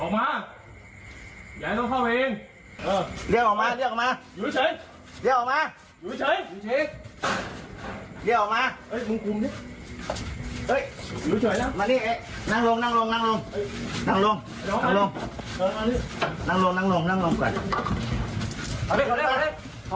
มาห้องที่สองใส่หนึ่งเลยครับ